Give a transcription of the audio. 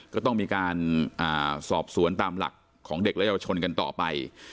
ก็ต้องมีการสอบสวนตามหลักของเด็กและเยาวชนกันต่อไป